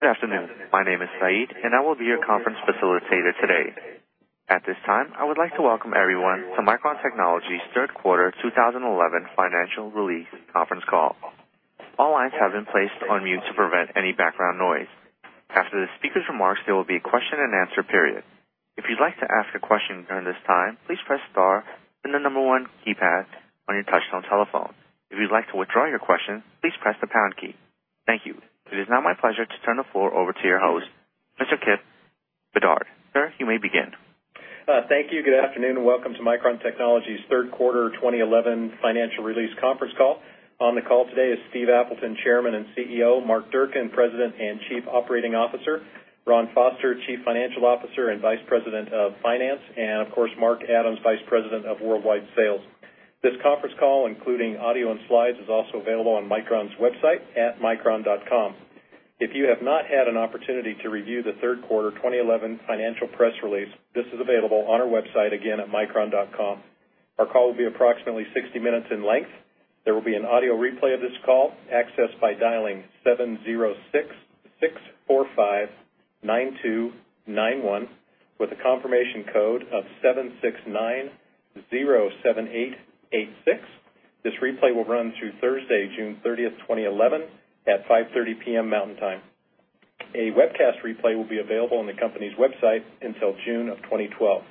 Good afternoon. My name is Saeed, and I will be your conference facilitator today. At this time, I would like to welcome everyone to Micron Technology's Third Quarter 2011 Financial Release Conference Call. All lines have been placed on mute to prevent any background noise. After the speaker's remarks, there will be a question and answer period. If you'd like to ask a question during this time, please press star and the number one keypad on your touch-tone telephone. If you'd like to withdraw your question, please press the pound key. Thank you. It is now my pleasure to turn the floor over to your host, Mr. Kipp Bedard. Sir, you may begin. Thank you. Good afternoon and welcome to Micron Technology's Third Quarter 2011 Financial Release Conference Call. On the call today is Steve Appleton, Chairman and CEO, Mark Durcan, President and Chief Operating Officer, Ron Foster, Chief Financial Officer and Vice President of Finance, and, of course, Mark Adams, Vice President of Worldwide Sales. This conference call, including audio and slides, is also available on Micron's website at micron.com. If you have not had an opportunity to review the third quarter 2011 financial press release, this is available on our website again at micron.com. Our call will be approximately 60 minutes in length. There will be an audio replay of this call accessed by dialing 706-645-9291 with a confirmation code of 769-07886. This replay will run through Thursday, June 30th, 2011, at 5:30 P.M. Mountain Time. A webcast replay will be available on the company's website until June of 2012.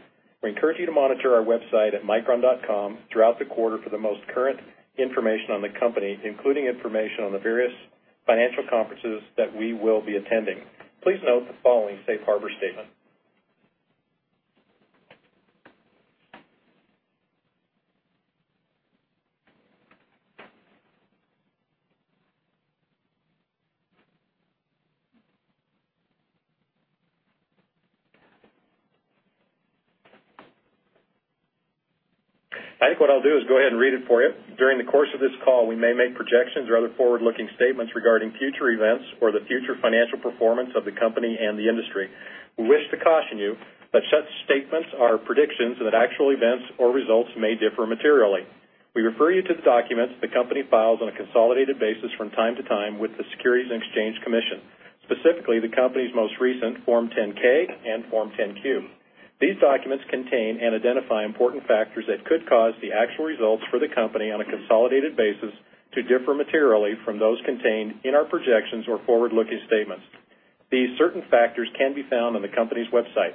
We encourage you to monitor our website at micron.com throughout the quarter for the most current information on the company, including information on the various financial conferences that we will be attending. Please note the following Safe Harbor statement. I think what I'll do is go ahead and read it for you. During the course of this call, we may make projections or other forward-looking statements regarding future events or the future financial performance of the company and the industry. We wish to caution you that such statements are predictions and that actual events or results may differ materially. We refer you to the documents the company files on a consolidated basis from time to time with the Securities and Exchange Commission, specifically the company's most recent Form 10-K and Form 10-Q. These documents contain and identify important factors that could cause the actual results for the company on a consolidated basis to differ materially from those contained in our projections or forward-looking statements. These certain factors can be found on the company's website.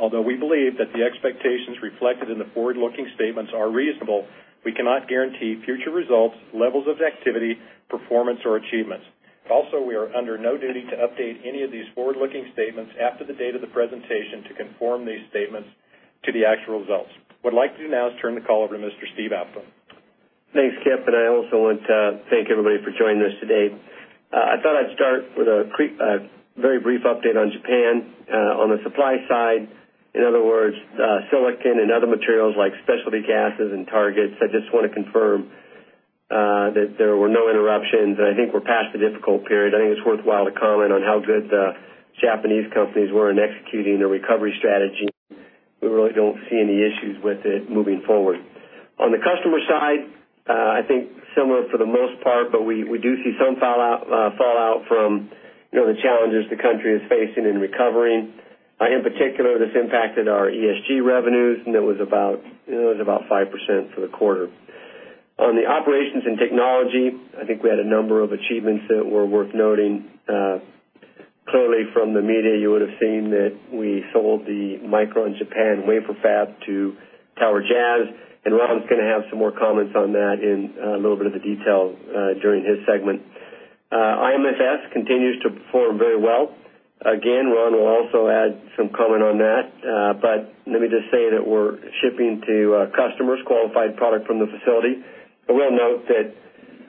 Although we believe that the expectations reflected in the forward-looking statements are reasonable, we cannot guarantee future results, levels of activity, performance, or achievements. Also, we are under no duty to update any of these forward-looking statements after the date of the presentation to conform these statements to the actual results. What I'd like to do now is turn the call over to Mr. Steve Appleton. Thanks, Kipp, and I also want to thank everybody for joining us today. I thought I'd start with a very brief update on Japan on the supply side. In other words, silicon and other materials like specialty gases and targets, I just want to confirm that there were no interruptions, and I think we're past the difficult period. I think it's worthwhile to comment on how good the Japanese companies were in executing their recovery strategy. We really don't see any issues with it moving forward. On the customer side, I think similar for the most part, but we do see some fallout from the challenges the country is facing in recovering. In particular, this impacted our ESG revenues, and it was about 5% for the quarter. On the operations and technology, I think we had a number of achievements that were worth noting. Clearly, from the media, you would have seen that we sold the Micron Japan wafer fab to TowerJazz, and Ron's going to have some more comments on that in a little bit of a detail during his segment. IM Flash Singapore continues to perform very well. Again, Ron will also add some comment on that, but let me just say that we're shipping to customers qualified product from the facility. I will note that,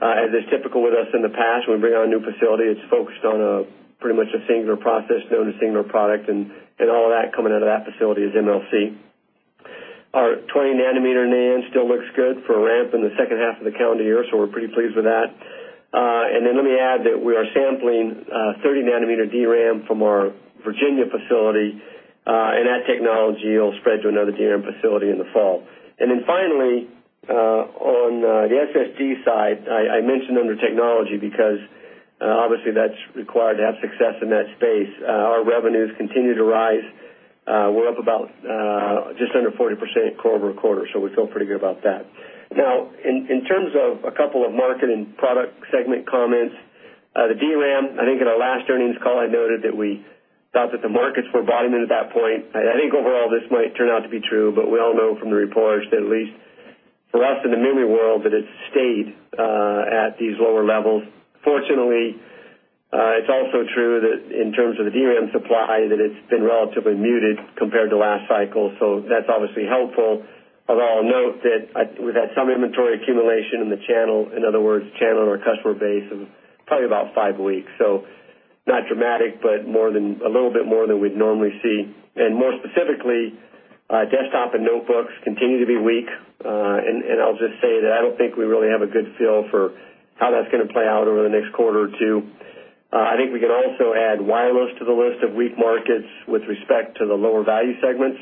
as is typical with us in the past, when we bring on a new facility, it's focused on pretty much a singular process known as singular product, and all of that coming out of that facility is MLC. Our 20nm NAND still looks good for a RAM in the second half of the calendar year, so we're pretty pleased with that. Let me add that we are sampling 30nm DRAM from our Virginia facility, and that technology will spread to another DRAM facility in the fall. Finally, on the SSD side, I mentioned under technology because, obviously, that's required to have success in that space. Our revenues continue to rise. We're up about just under 40% quarter-over-quarter, so we feel pretty good about that. Now, in terms of a couple of market and product segment comments, the DRAM, I think in our last earnings call, I noted that we thought that the markets were bottoming at that point. I think overall this might turn out to be true, but we all know from the reports that at least for us in the memory world that it's stayed at these lower levels. Fortunately, it's also true that in terms of the DRAM supply, that it's been relatively muted compared to last cycle, so that's obviously helpful. Although I'll note that we've had some inventory accumulation in the channel, in other words, channel or customer base of probably about five weeks, so not dramatic, but a little bit more than we'd normally see. More specifically, desktop and notebooks continue to be weak, and I'll just say that I don't think we really have a good feel for how that's going to play out over the next quarter or two. I think we can also add wireless to the list of weak markets with respect to the lower value segments.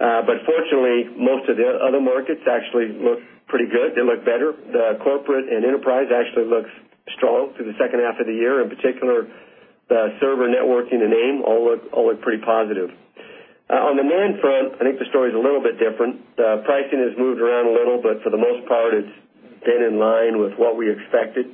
Fortunately, most of the other markets actually look pretty good. They look better. The corporate and enterprise actually look strong through the second half of the year. In particular, the server networking and AME all look pretty positive. On the NAND front, I think the story is a little bit different. The pricing has moved around a little, but for the most part, it's been in line with what we expected.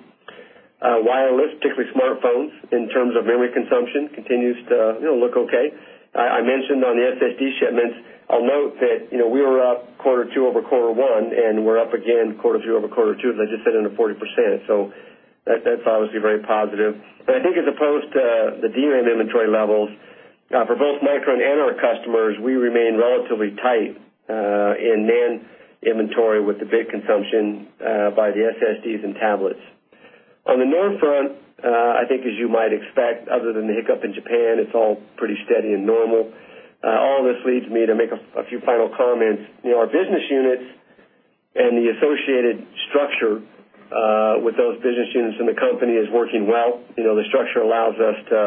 Wireless, particularly smartphones, in terms of memory consumption continues to look okay. I mentioned on the SSD shipments, I'll note that we were up quarter two over quarter one, and we're up again quarter two over quarter two, as I just said, under 40%, so that's obviously very positive. I think as opposed to the DRAM inventory levels, for both Micron and our customers, we remain relatively tight in NAND inventory with the big consumption by the SSDs and tablets. On the NAND front, I think as you might expect, other than the hiccup in Japan, it's all pretty steady and normal. All of this leads me to make a few final comments. Our business units and the associated structure with those business units in the company is working well. The structure allows us to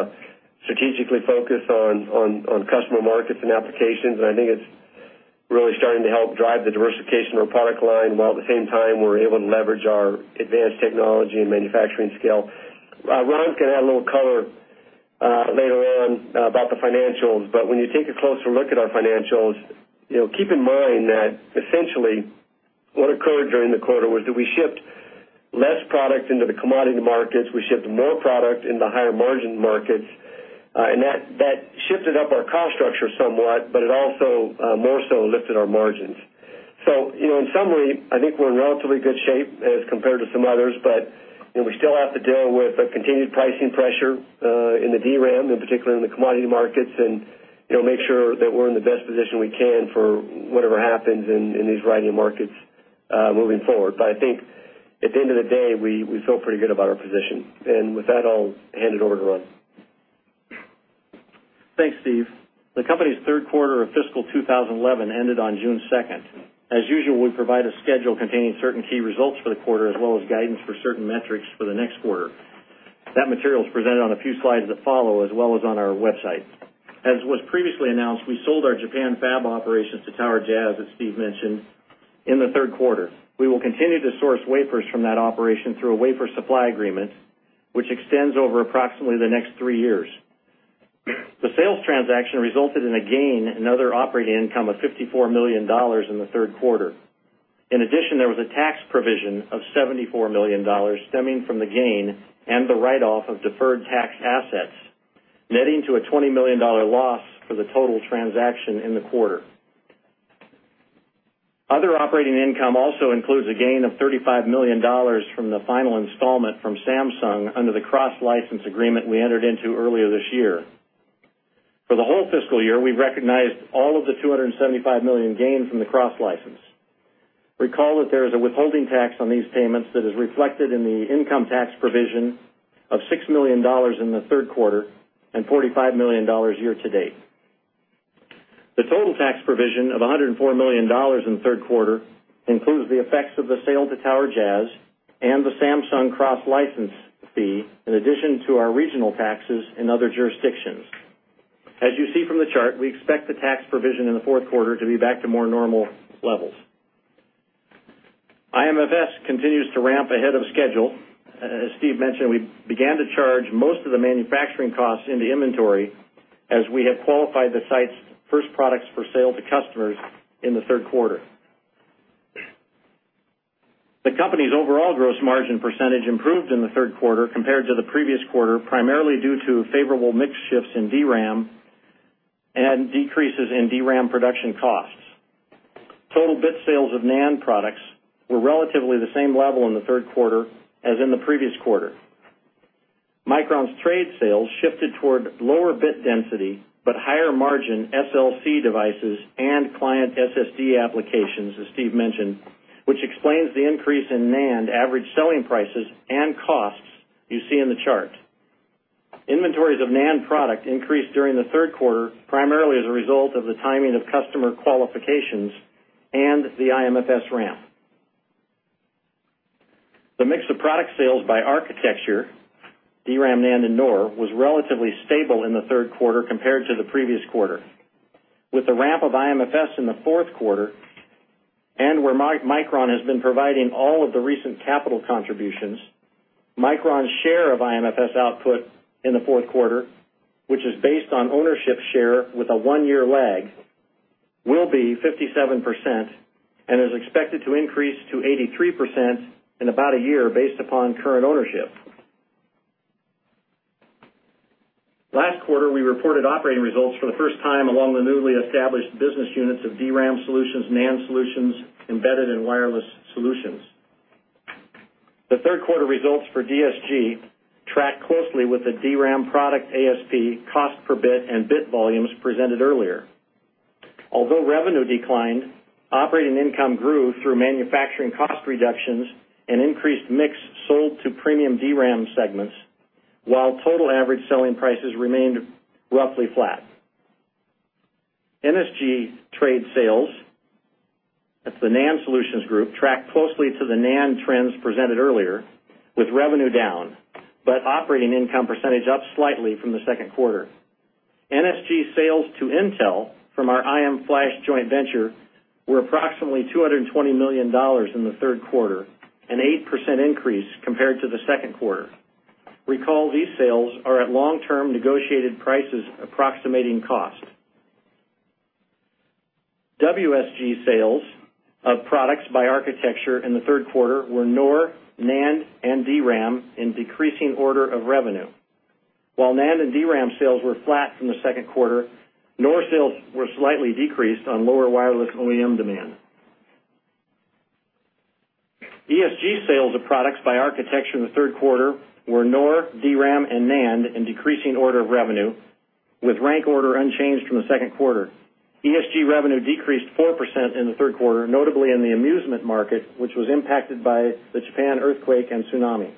strategically focus on customer markets and applications, and I think it's really starting to help drive the diversification of our product line while at the same time we're able to leverage our advanced technology and manufacturing skill. Ron's going to add a little color later on about the financials, but when you take a closer look at our financials, keep in mind that essentially what occurred during the quarter was that we shipped less product into the commodity markets. We shipped more product in the higher margin markets, and that shifted up our cost structure somewhat, but it also more so lifted our margins. In summary, I think we're in relatively good shape as compared to some others, but we still have to deal with the continued pricing pressure in the DRAM, in particular in the commodity markets, and make sure that we're in the best position we can for whatever happens in these variety of markets moving forward. I think at the end of the day, we feel pretty good about our position. With that, I'll hand it over to Ron. Thanks, Steve. The company's third quarter of fiscal 2011 ended on June 2nd. As usual, we provide a schedule containing certain key results for the quarter as well as guidance for certain metrics for the next quarter. That material is presented on a few slides that follow, as well as on our website. As was previously announced, we sold our Japan fab operations to TowerJazz, as Steve mentioned, in the third quarter. We will continue to source wafers from that operation through a wafer supply agreement, which extends over approximately the next three years. The sales transaction resulted in a gain in other operating income of $54 million in the third quarter. In addition, there was a tax provision of $74 million stemming from the gain and the write-off of deferred tax assets, netting to a $20 million loss for the total transaction in the quarter. Other operating income also includes a gain of $35 million from the final installment from Samsung under the cross-license agreement we entered into earlier this year. For the whole fiscal year, we recognized all of the $275 million gains in the cross-license. Recall that there is a withholding tax on these payments that is reflected in the income tax provision of $6 million in the third quarter and $45 million year to date. The total tax provision of $104 million in the third quarter includes the effects of the sale to TowerJazz and the Samsung cross-license fee, in addition to our regional taxes in other jurisdictions. As you see from the chart, we expect the tax provision in the fourth quarter to be back to more normal levels. IMFS continues to ramp ahead of schedule. As Steve mentioned, we began to charge most of the manufacturing costs into inventory as we have qualified the site's first products for sale to customers in the third quarter. The company's overall gross margin percentage improved in the third quarter compared to the previous quarter, primarily due to favorable mix shifts in DRAM and decreases in DRAM production costs. Total bit sales of NAND products were relatively the same level in the third quarter as in the previous quarter. Micron's trade sales shifted toward lower bit density but higher margin SLC devices and client SSD applications, as Steve mentioned, which explains the increase in NAND average selling prices and costs you see in the chart. Inventories of NAND product increased during the third quarter, primarily as a result of the timing of customer qualifications and the IMFS ramp. The mix of product sales by architecture, DRAM, NAND, and NOR, was relatively stable in the third quarter compared to the previous quarter. With the ramp of IMFS in the fourth quarter and where Micron Technology has been providing all of the recent capital contributions, Micron's share of IMFS output in the fourth quarter, which is based on ownership share with a one-year lag, will be 57% and is expected to increase to 83% in about a year based upon current ownership. Last quarter, we reported operating results for the first time along the newly established business units of DRAM Solutions, NAND Solutions, Embedded, and Wireless Solutions. The third quarter results for DSG track closely with the DRAM product ASP, cost per bit, and bit volumes presented earlier. Although revenue declined, operating income grew through manufacturing cost reductions and increased mix sold to premium DRAM segments, while total average selling prices remained roughly flat. NSG trade sales at the NAND Solutions Group track closely to the NAND trends presented earlier, with revenue down but operating income percentage up slightly from the second quarter. NSG sales to Intel from our IM Flash joint venture were approximately $220 million in the third quarter, an 8% increase compared to the second quarter. Recall these sales are at long-term negotiated prices approximating cost. WSG sales of products by architecture in the third quarter were NOR, NAND, and DRAM in decreasing order of revenue. While NAND and DRAM sales were flat from the second quarter, NOR sales were slightly decreased on lower wireless OEM demand. ESG sales of products by architecture in the third quarter were NOR, DRAM, and NAND in decreasing order of revenue, with rank order unchanged from the second quarter. ESG revenue decreased 4% in the third quarter, notably in the amusement market, which was impacted by the Japan earthquake and tsunami.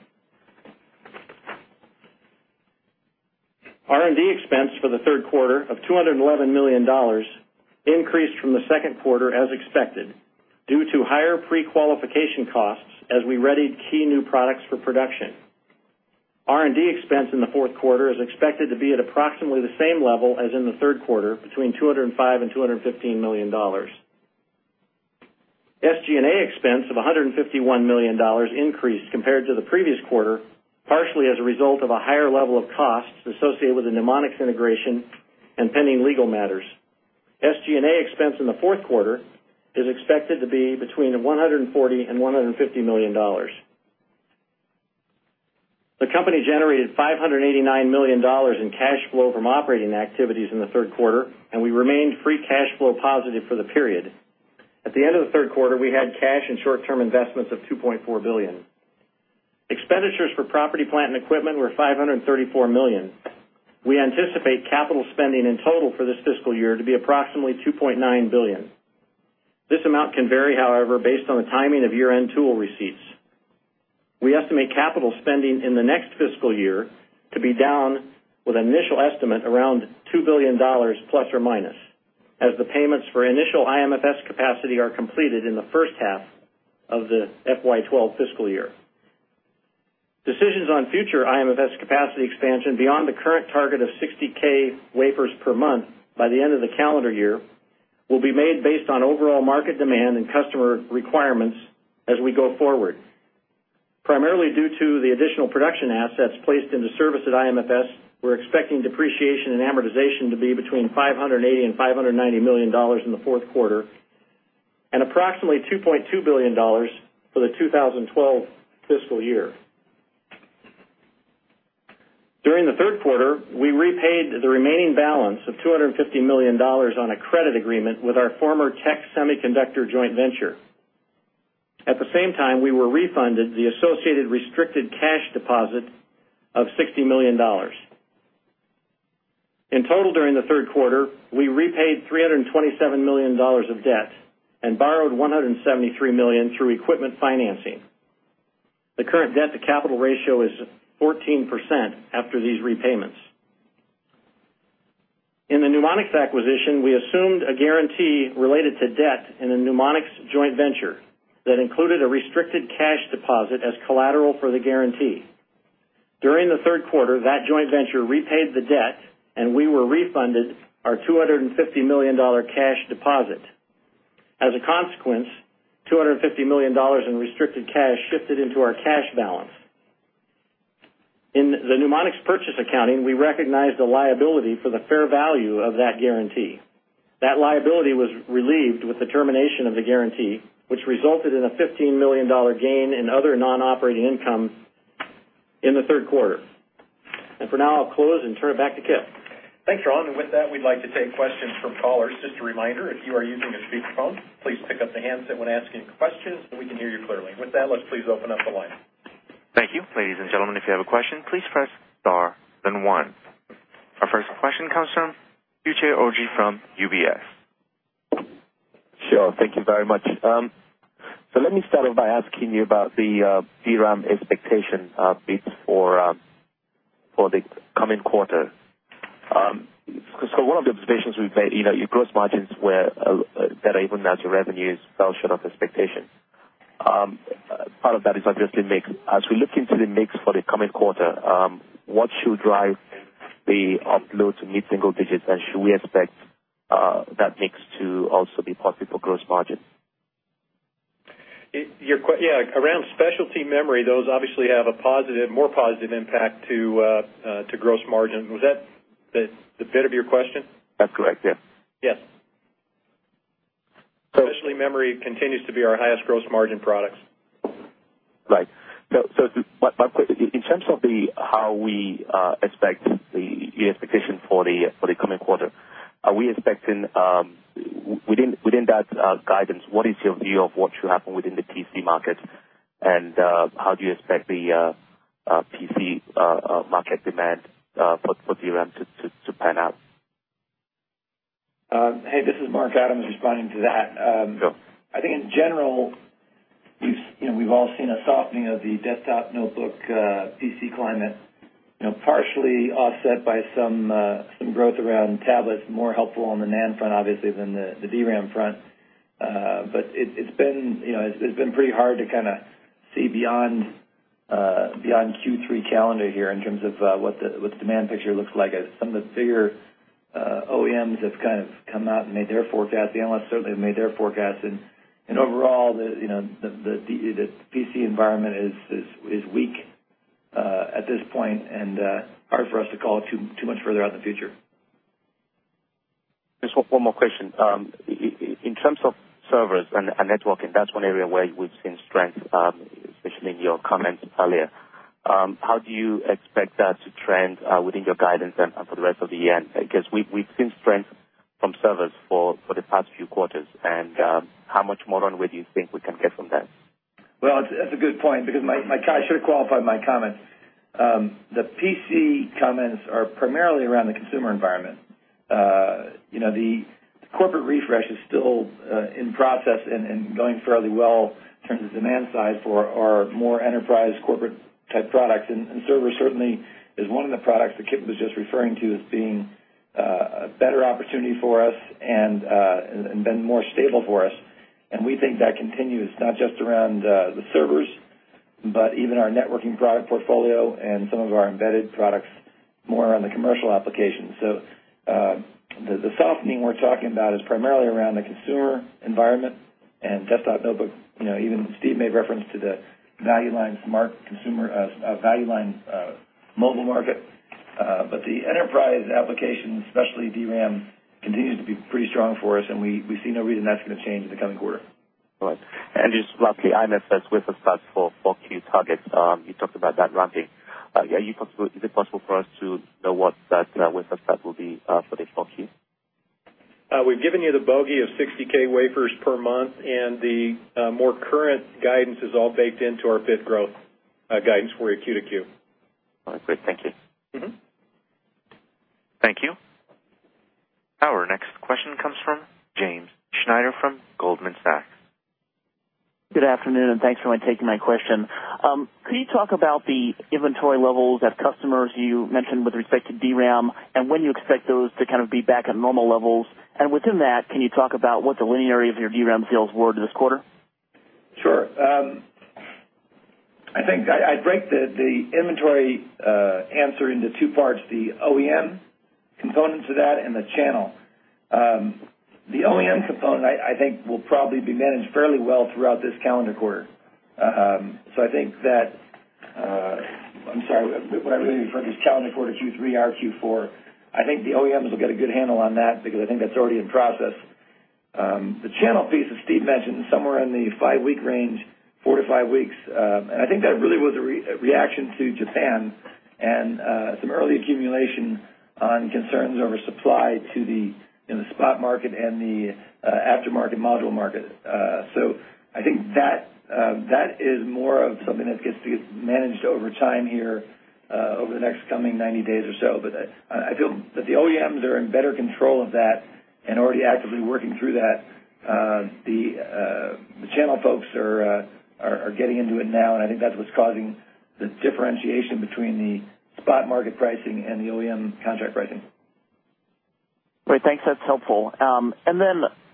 R&D expense for the third quarter of $211 million increased from the second quarter as expected due to higher pre-qualification costs as we readied key new products for production. R&D expense in the fourth quarter is expected to be at approximately the same level as in the third quarter, between $205 million and $215 million. SG&A expense of $151 million increased compared to the previous quarter, partially as a result of a higher level of costs associated with the Numonyx integration and pending legal matters. SG&A expense in the fourth quarter is expected to be between $140 million and $150 million. The company generated $589 million in cash flow from operating activities in the third quarter, and we remained free cash flow positive for the period. At the end of the third quarter, we had cash and short-term investments of $2.4 billion. Expenditures for property, plant, and equipment were $534 million. We anticipate capital spending in total for this fiscal year to be approximately $2.9 billion. This amount can vary, however, based on the timing of year-end tool receipts. We estimate capital spending in the next fiscal year to be down with an initial estimate around $2± billion as the payments for initial IMFS capacity are completed in the first half of the FY 2012 fiscal year. Decisions on future IMFS capacity expansion beyond the current target of 60, 000 wafers per month by the end of the calendar year will be made based on overall market demand and customer requirements as we go forward. Primarily due to the additional production assets placed into service at IMFS, we're expecting depreciation and amortization to be between $580 million and $590 million in the fourth quarter and approximately $2.2 billion for the 2012 fiscal year. During the third quarter, we repaid the remaining balance of $250 million on a credit agreement with our former tech semiconductor joint venture. At the same time, we were refunded the associated restricted cash deposit of $60 million. In total, during the third quarter, we repaid $327 million of debt and borrowed $173 million through equipment financing. The current debt-to-capital ratio is 14% after these repayments. In the Numonyx acquisition, we assumed a guarantee related to debt in a Numonyx joint venture that included a restricted cash deposit as collateral for the guarantee. During the third quarter, that joint venture repaid the debt, and we were refunded our $250 million cash deposit. As a consequence, $250 million in restricted cash shifted into our cash balance. In the Numonyx purchase accounting, we recognized a liability for the fair value of that guarantee. That liability was relieved with the termination of the guarantee, which resulted in a $15 million gain in other non-operating income in the third quarter. For now, I'll close and turn it back to Kipp. Thanks, Ron. With that, we'd like to take questions from callers. Just a reminder, if you are using the speakerphone, please pick up the handset when asking questions so we can hear you clearly. With that, let's please open up the line. Thank you. Ladies and gentlemen, if you have a question, please press star and one. Our first question comes from Uche Oji from UBS. Thank you very much. Let me start off by asking you about the DRAM expectation for the coming quarter. One of the observations we've made is your gross margins were better even as your revenues fell short of expectations. Part of that is obviously as we look into the mix for the coming quarter, what should drive the upload to meet single digits, and should we expect that mix to also be positive for gross margins? Yeah. Around specialty memory, those obviously have a positive, more positive impact to gross margin. Was that the fit of your question? That's correct, yeah. Yes, especially memory continues to be our highest gross margin products. Right. My point is, in terms of how we expect the expectation for the coming quarter, are we expecting within that guidance, what is your view of what should happen within the PC market, and how do you expect the PC market demand for DRAM to pan out? Hey, this is Mark Adams responding to that. I think in general, we've all seen a softening of the desktop notebook PC climate, partially offset by some growth around tablets, more helpful on the NAND front, obviously, than the DRAM front. It's been pretty hard to kind of see beyond Q3 calendar here in terms of what the demand picture looks like. Some of the bigger OEMs have kind of come out and made their forecasts. The analysts certainly have made their forecasts. Overall, the PC environment is weak at this point and hard for us to call too much further out in the future. Just one more question. In terms of servers and networking, that's one area where we've seen strength, especially in your comments earlier. How do you expect that to trend within your guidance and for the rest of the year? We've seen strength from servers for the past few quarters, and how much more onward do you think we can get from that? That's a good point because I should have qualified my comments. The PC comments are primarily around the consumer environment. You know, the corporate refresh is still in process and going fairly well in terms of demand size for our more enterprise corporate-type products. Server certainly is one of the products that Kipp was just referring to as being a better opportunity for us and been more stable for us. We think that continues not just around the servers, but even our networking product portfolio and some of our embedded products more on the commercial applications. The softening we're talking about is primarily around the consumer environment and desktop notebook. You know, even Steve made reference to the value lines market, consumer value line mobile market. The enterprise applications, especially DRAM, continue to be pretty strong for us, and we see no reason that's going to change in the coming quarter. Right. Just lastly, IMFS wafer fabs for 4Q targets. You talked about that ramping. Is it possible for us to know what that wafer fab will be for the 4Q? We've given you the bogey of 60,000 wafers per month, and the more current guidance is all baked into our fifth growth guidance for your Q2Q. All right. Great. Thank you. Thank you. Our next question comes from James Schneider from Goldman Sachs. Good afternoon, and thanks for taking my question. Could you talk about the inventory levels that customers you mentioned with respect to DRAM and when you expect those to be back at normal levels? Within that, can you talk about what the linearity of your DRAM sales were to this quarter? Sure. I think I'd break the inventory answer into two parts: the OEM component to that and the channel. The OEM component, I think, will probably be managed fairly well throughout this calendar quarter. What I mean for this calendar quarter, Q3 or Q4, I think the OEMs will get a good handle on that because I think that's already in process. The channel piece that Steve mentioned, somewhere in the five-week range, four to five weeks, and I think that really was a reaction to Japan and some early accumulation on concerns over supply to the spot market and the aftermarket module market. I think that is more of something that gets managed over time here over the next coming 90 days or so. I feel that the OEMs are in better control of that and already actively working through that. The channel folks are getting into it now, and I think that's what's causing the differentiation between the spot market pricing and the OEM contract pricing. Great. Thanks. That's helpful.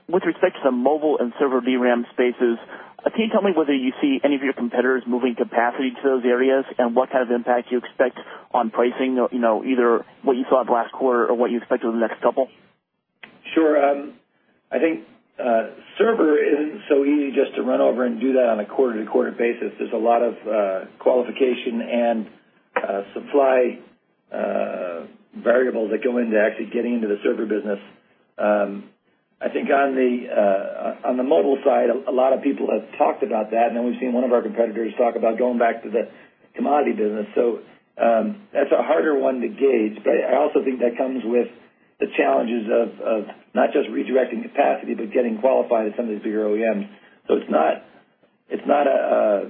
With respect to the mobile and server DRAM spaces, can you tell me whether you see any of your competitors moving capacity to those areas and what kind of impact you expect on pricing, either what you saw in the last quarter or what you expect over the next couple? Sure. I think server isn't so easy just to run over and do that on a quarter-to-quarter basis. There's a lot of qualification and supply variables that go into actually getting into the server business. I think on the mobile side, a lot of people have talked about that, and we've seen one of our competitors talk about going back to the commodity business. That's a harder one to gauge, but I also think that comes with the challenges of not just redirecting capacity but getting qualified as some of these bigger OEMs. It's not a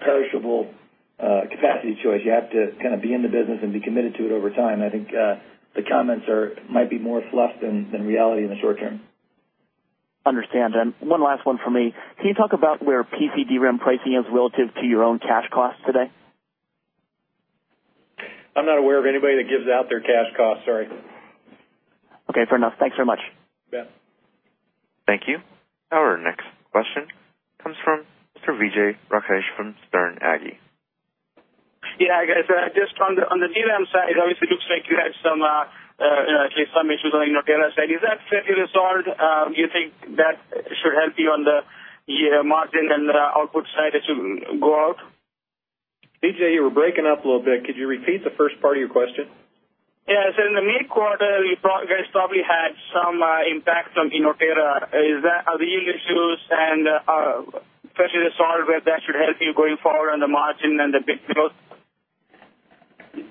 perishable capacity choice. You have to kind of be in the business and be committed to it over time. I think the comments might be more fluff than reality in the short-term. Understand. One last one from me. Can you talk about where PC DRAM pricing is relative to your own cash costs today? I'm not aware of anybody that gives out their cash costs. Sorry. Okay. Fair enough. Thanks very much. Yeah. Thank you. Our next question comes from Mr. Vijay Rakesh from Sterne Agee. Yeah. I guess just on the DRAM side, obviously, it looks like you had some case funding with Inotera as well. Is that fairly resolved? Do you think that should help you on the margin and output side as you go out? Vijay, you were breaking up a little bit. Could you repeat the first part of your question? Yeah. I said in the mid-quarter, you guys probably had some impact from Inotera. Are the yield issues fairly resolved where that should help you going forward on the margin and the big growth?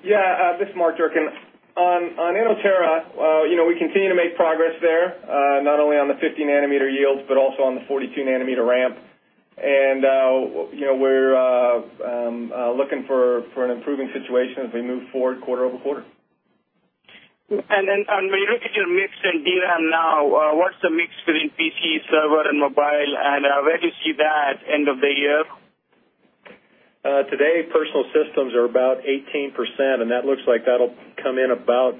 Yeah. This is Mark Durcan. On Inotera, we continue to make progress there, not only on the 50 nm yields but also on the 42 nm ramp. We're looking for an improving situation as we move forward quarter-over-quarter. When you look at your mix in DRAM now, what's the mix between PC, server, and mobile, and where do you see that end of the year? Today, personal systems are about 18%, and that looks like that'll come in about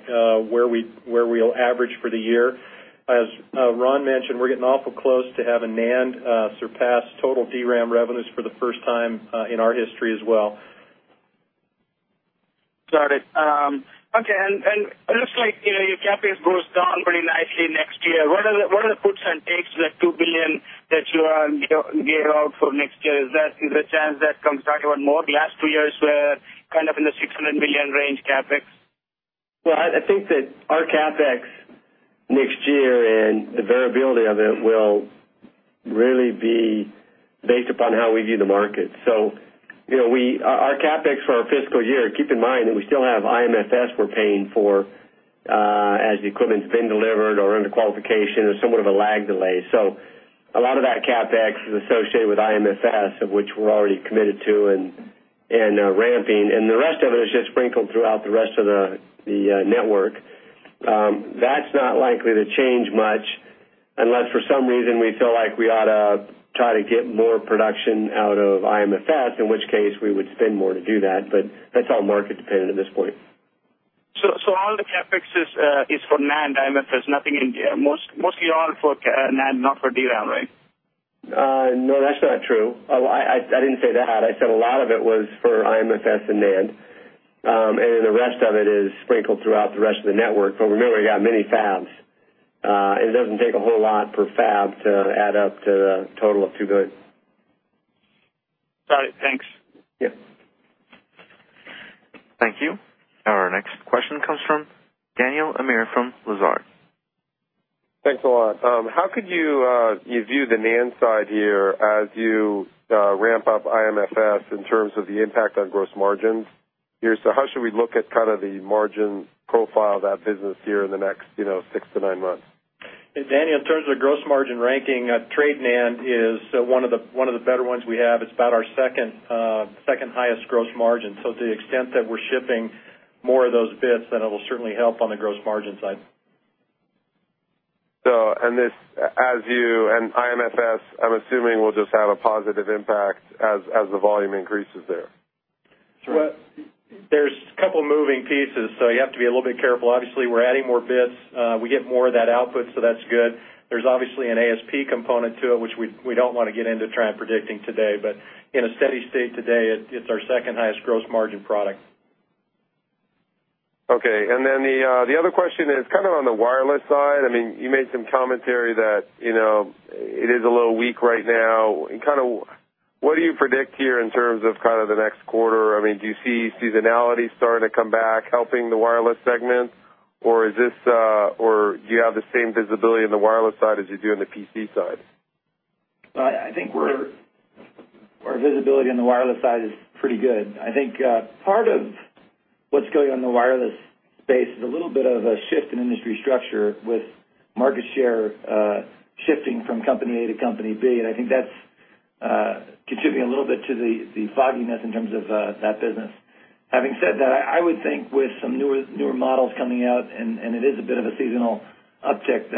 where we'll average for the year. As Ron mentioned, we're getting awful close to having NAND surpass total DRAM revenues for the first time in our history as well. Got it. Okay. It looks like your CapEx goes down very nicely next year. What are the puts and takes for that $2 billion that you're on year out for next year? Is there a chance that it comes down even more? The last two years were kind of in the $600 million range CapEx. I think that our CapEx next year and the variability of it will really be based upon how we view the market. You know our CapEx for our fiscal year, keep in mind that we still have IMFS we're paying for as the equipment's been delivered or under qualification or somewhat of a lag delay. A lot of that CapEx is associated with IMFS, of which we're already committed to and ramping. The rest of it is just sprinkled throughout the rest of the network. That's not likely to change much unless for some reason we feel like we ought to try to get more production out of IMFS, in which case we would spend more to do that. That's all market-dependent at this point. All the CapEx is for NAND, IMFS, nothing in, mostly all for NAND, not for DRAM, right? No, that's not true. I didn't say that. I said a lot of it was for IMFS and NAND, and the rest of it is sprinkled throughout the rest of the network. Remember, we got many fabs, and it doesn't take a whole lot per fab to add up to a total of $2 billion. All right, thanks. Yeah. Thank you. Our next question comes from Daniel Amir from Lazard. Thanks a lot. How could you view the NAND side here as you ramp up IMFS in terms of the impact on gross margins? How should we look at kind of the margin profile of that business here in the next six to nine months? Danny, in terms of the gross margin ranking, Trade NAND is one of the better ones we have. It's about our second-highest gross margin. To the extent that we're shipping more of those bits, it will certainly help on the gross margin side. As you and IMFS, I'm assuming, will just have a positive impact as the volume increases there. Sure. There are a couple of moving pieces, so you have to be a little bit careful. Obviously, we're adding more bits. We get more of that output, so that's good. There's obviously an ASP component to it, which we don't want to get into trying predicting today. In a steady state today, it's our second-highest gross margin product. Okay. The other question is kind of on the wireless side. I mean, you made some commentary that you know it is a little weak right now. What do you predict here in terms of the next quarter? I mean, do you see seasonality starting to come back helping the wireless segment, or do you have the same visibility on the wireless side as you do on the PC side? I think our visibility on the wireless side is pretty good. I think part of what's going on in the wireless space is a little bit of a shift in industry structure, with market share shifting from company A to company B. I think that's contributing a little bit to the fogginess in terms of that business. Having said that, I would think with some newer models coming out, and it is a bit of a seasonal uptick,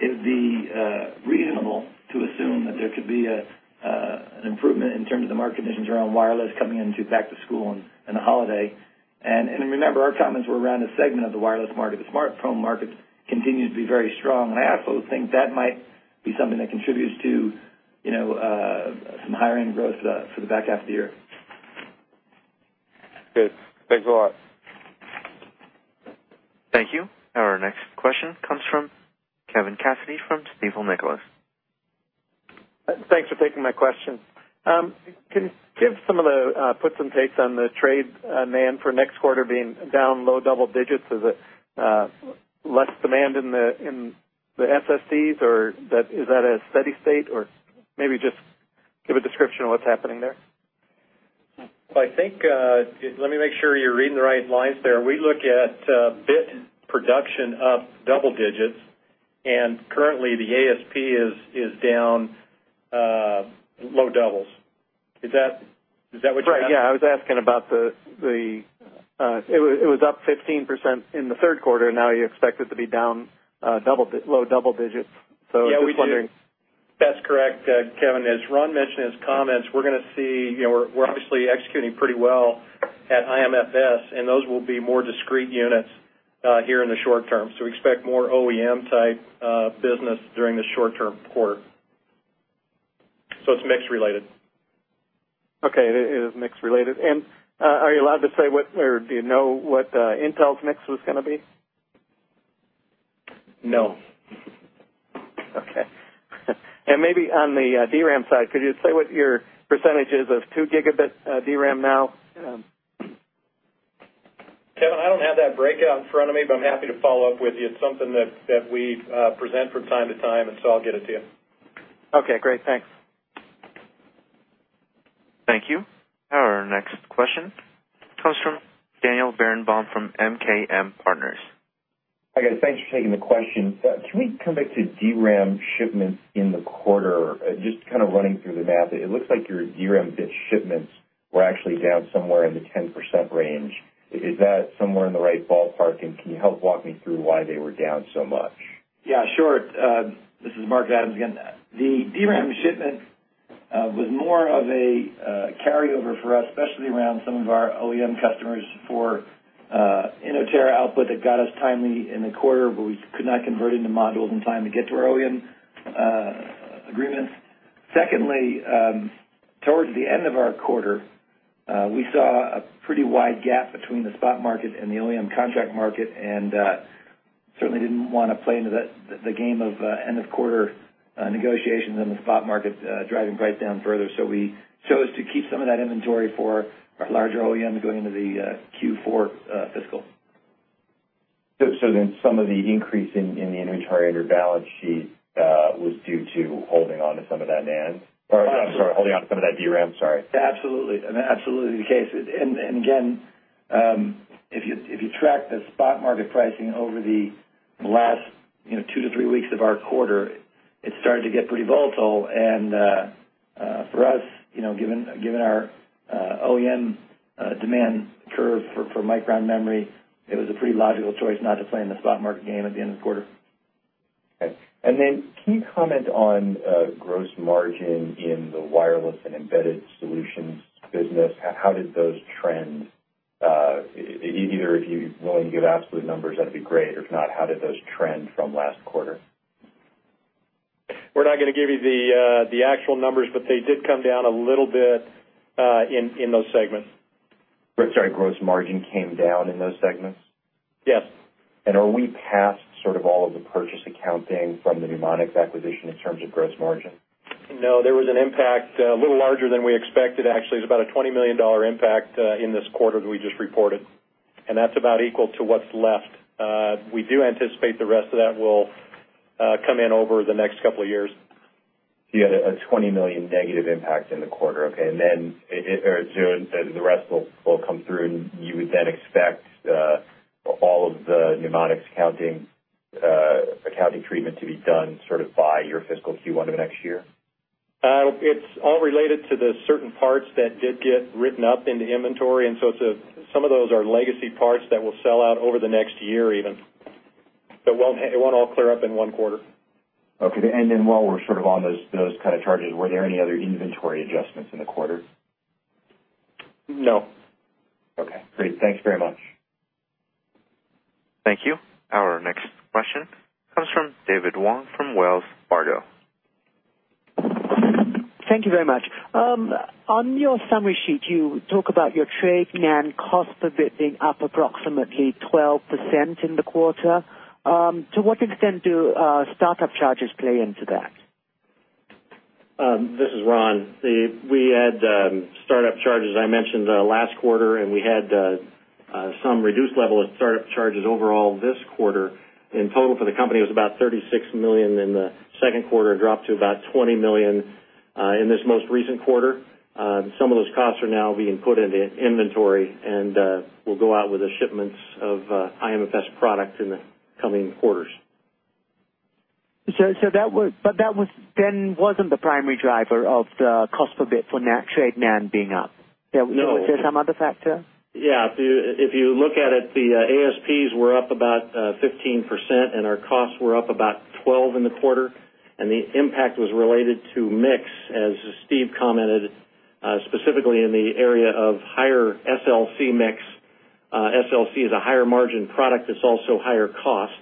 it would be reasonable to assume that there could be an improvement in terms of the market conditions around wireless coming into back to school and the holiday. Remember, our comments were around a segment of the wireless market. The smartphone markets continue to be very strong. I absolutely think that might be something that contributes to some higher-end growth for the back half of the year. Thanks. Thanks a lot. Thank you. Our next question comes from Kevin Cassidy from Stifel Nicolaus. Thanks for taking my question. Can you give some of the puts and takes on the TradeNAND for next quarter being down low double digits? Is it less demand in the SSDs, or is that a steady state, or maybe just give a description of what's happening there? I think let me make sure you're reading the right lines there. We look at bit production up double digits, and currently, the ASP is down low doubles. Is that what you're asking? Right. I was asking about it was up 15% in the third quarter, and now you expect it to be down low double digits. I was wondering. Yeah. That's correct, Kevin. As Ron mentioned in his comments, we're going to see we're obviously executing pretty well at IMFS, and those will be more discrete units here in the short term. We expect more OEM-type business during the short-term quarter. It's mixed related. Okay. It is mix related. Are you allowed to say what or do you know what Intel's mix was going to be? No. Okay. Maybe on the DRAM side, could you say what your percentage is of 2 Gb DRAM now? Kevin, I don't have that breakout in front of me, but I'm happy to follow up with you. It's something that we present from time to time, and I'll get it to you. Okay. Great. Thanks. Thank you. Our next question comes from Daniel Berenbaum from MKM Partners. Hi guys. Thanks for taking the question. Can we come back to DRAM shipments in the quarter? Just kind of running through the math, it looks like your DRAM bit shipments were actually down somewhere in the 10% range. Is that somewhere in the right ballpark, and can you help walk me through why they were down so much? Yeah. Sure. This is Mark Adams again. The DRAM shipment was more of a carryover for us, especially around some of our OEM customers for Inotera output that got us timely in the quarter where we could not convert into modules in time to get to our OEM agreements. Secondly, towards the end of our quarter, we saw a pretty wide gap between the spot market and the OEM contract market, and certainly didn't want to play into the game of end-of-quarter negotiations in the spot market driving breakdown further. We chose to keep some of that inventory for our larger OEM to go into the Q4 fiscal. Then some of the increase in the inventory under balance sheet was due to holding on to some of that NAND? Oh, sorry. Holding on to some of that DRAM? Sorry. Absolutely. That is absolutely the case. If you track the spot market pricing over the last two to three weeks of our quarter, it started to get pretty volatile. For us, given our OEM demand curve for Micron memory, it was a pretty logical choice not to play in the spot market game at the end of the quarter. Okay. Can you comment on gross margin in the wireless and embedded solutions business? How did those trend? If you're willing to give absolute numbers, that'd be great. If not, how did those trend from last quarter? We're not going to give you the actual numbers, but they did come down a little bit in those segments. Sorry. Gross margin came down in those segments? Yes. Are we past sort of all of the purchase accounting from the Numonyx acquisition in terms of gross margin? No. There was an impact a little larger than we expected, actually. It was about a $20 million impact in this quarter that we just reported, and that's about equal to what's left. We do anticipate the rest of that will come in over the next couple of years. You had a $20 million negative impact in the quarter. Okay, and then as Joan said, the rest will come through, and you would then expect all of the mnemonics accounting treatment to be done sort of by your fiscal Q1 of next year? It's all related to the certain parts that did get written up into inventory, and some of those are legacy parts that will sell out over the next year even. It won't all clear up in one quarter. Okay. While we're sort of on those kind of targets, were there any other inventory adjustments in the quarter? No. Okay, great. Thanks very much. Thank you. Our next question comes from David Wong from Wells Fargo. Thank you very much. On your summary sheet, you talk about your TradeNAND cost per bit being up approximately 12% in the quarter. To what extent do startup charges play into that? This is Ron. We had startup charges, I mentioned, last quarter, and we had some reduced level of startup charges overall this quarter. In total, for the company, it was about $36 million in the second quarter and dropped to about $20 million in this most recent quarter. Some of those costs are now being put into inventory, and we'll go out with the shipments of IMFS product in the coming quarters. That wasn't the primary driver of the cost per bit for TradeNAND being up. No. Was there some other factor? Yeah. If you look at it, the ASPs were up about 15%, and our costs were up about 12% in the quarter, and the impact was related to mix, as Steve commented, specifically in the area of higher SLC mix. SLC is a higher margin product. It's also higher cost,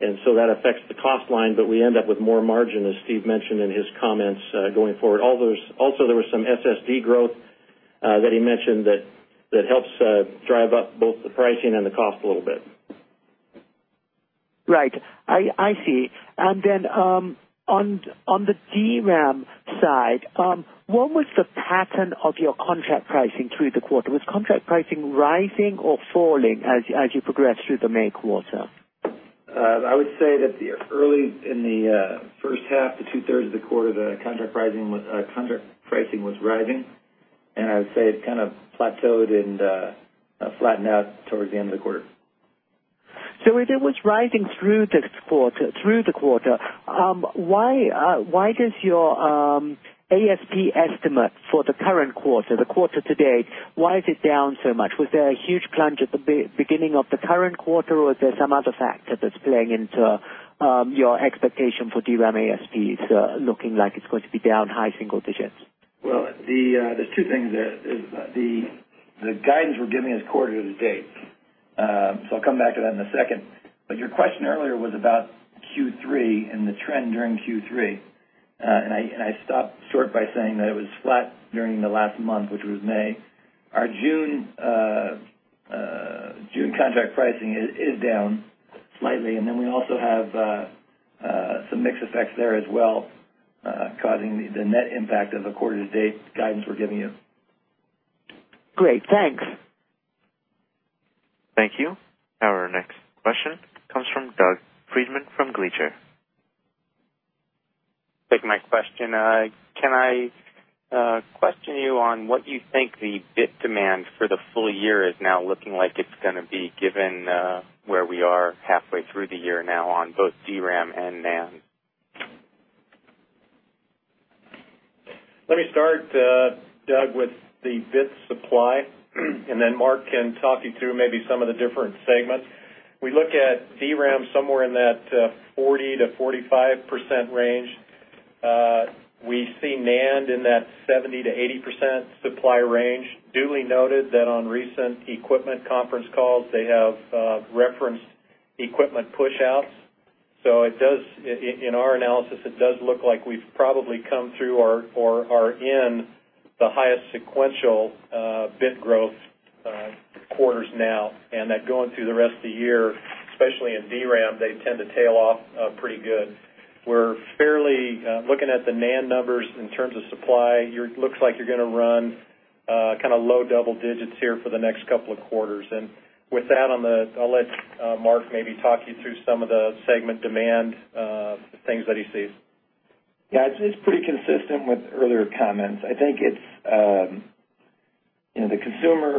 and that affects the cost line, but we end up with more margin, as Steve mentioned in his comments going forward. Also, there was some SSD growth that he mentioned that helps drive up both the pricing and the cost a little bit. I see. On the DRAM side, what was the pattern of your contract pricing through the quarter? Was contract pricing rising or falling as you progressed through the May quarter? I would say that early in the first half to two-thirds of the quarter, the contract pricing was rising, and I'd say it kind of plateaued and flattened out towards the end of the quarter. If it was rising through the quarter, why does your ASP estimate for the current quarter, the quarter today, why is it down so much? Was there a huge plunge at the beginning of the current quarter, or is there some other factor that's playing into your expectation for DRAM ASPs looking like it's going to be down high single digits? There are two things. The guidance we're giving is quarter to date, so I'll come back to that in a second. Your question earlier was about Q3 and the trend during Q3, and I stopped short by saying that it was flat during the last month, which was May. Our June contract pricing is down slightly, and we also have some mixed effects there as well, causing the net impact of the quarter to date guidance we're giving you. Great. Thanks. Thank you. Our next question comes from Doug Freedman from Gleacher. Thank you for taking my question. Can I question you on what you think the bit demand for the full year is now looking like it's going to be given where we are halfway through the year now on both DRAM and NAND? Let me start, Doug, with the bit supply, and then Mark can talk you through maybe some of the different segments. We look at DRAM somewhere in that 40%-45% range. We see NAND in that 70%-80% supply range. Duly noted that on recent equipment conference calls, they have referenced equipment push-outs. In our analysis, it does look like we've probably come through or are in the highest sequential bit growth quarters now, and that going through the rest of the year, especially in DRAM, they tend to tail off pretty good. We're fairly looking at the NAND numbers in terms of supply. It looks like you're going to run kind of low double digits here for the next couple of quarters. With that, I'll let Mark maybe talk you through some of the segment demand things that he sees. Yeah. It's pretty consistent with earlier comments. I think it's, you know, the consumer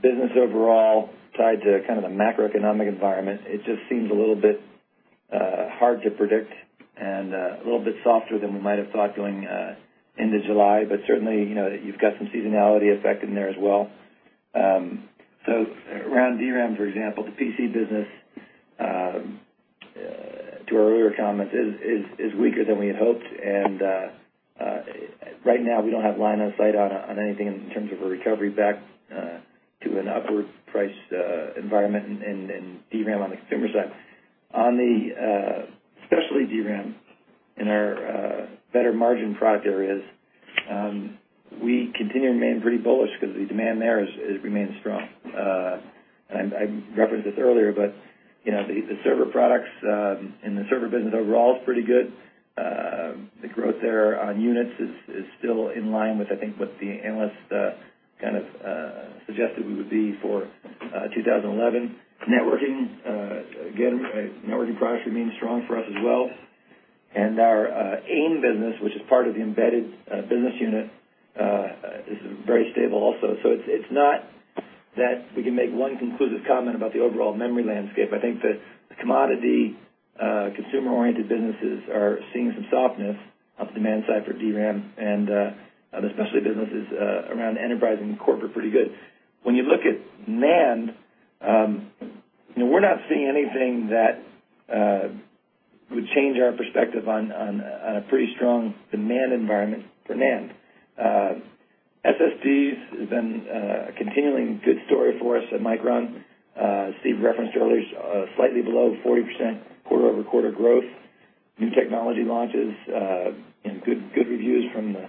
business overall tied to kind of the macroeconomic environment. It just seems a little bit hard to predict and a little bit softer than we might have thought going into July. Certainly, you've got some seasonality affected in there as well. Around DRAM, for example, the PC business, to our earlier comments, is weaker than we had hoped. Right now, we don't have line of sight on anything in terms of a recovery back to an upwards price environment in DRAM on the consumer side. On the specialty DRAM in our better margin product areas, we continue to remain pretty bullish because the demand there has remained strong. I referenced this earlier, but the server products in the server business overall is pretty good. The growth there on units is still in line with, I think, what the analysts kind of suggested we would be for 2011. Networking, again, networking products remain strong for us as well. Our AIM business, which is part of the embedded business unit, is very stable also. It's not that we can make one conclusive comment about the overall memory landscape. I think that the commodity consumer-oriented businesses are seeing some softness on the demand side for DRAM, and the specialty businesses around enterprise and corporate are pretty good. When you look at NAND, we're not seeing anything that would change our perspective on a pretty strong demand environment for NAND. SSDs have been a continuing good story for us at Micron Technology. Steve referenced earlier slightly below 40% quarter-over-quarter growth, new technology launches, and good reviews from the